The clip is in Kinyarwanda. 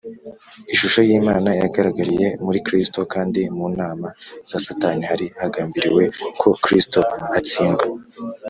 . Ishusho y’Imana yagaragariye muri Kristo, kandi mu nama za Satani hari hagambiriwe ko Kristo atsindwa.